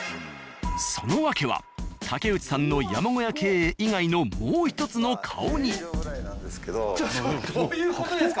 その訳は竹内さんの山小屋経営以外のもう１つの顔に。